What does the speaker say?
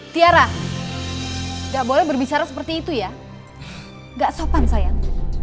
tiara gak boleh berbicara seperti itu ya gak sopan sayang